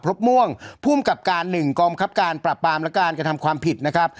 พบม่วงภูมิกับการ๑กองบังคับการปรับปรามและการกระทำความผิดนะครับ